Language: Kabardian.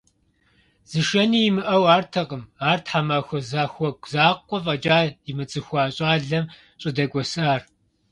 Зышэни имыӏэу артэкъым ар тхьэмахуэ зэхуаку закъуэ фӏэкӏа имыцӏыхуа щӏалэм щӏыдэкӏуэсар.